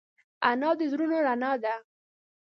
انا د زړونو رڼا ده